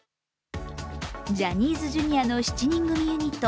ジャニーズＪｒ．の７人組ユニット